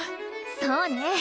そうね！